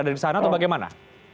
ada di sana atau bagaimana